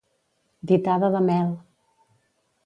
Ditada de mel.